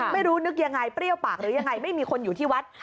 ไม่รู้นึกยังไงเปรี้ยวปากหรือยังไงไม่มีคนอยู่ที่วัด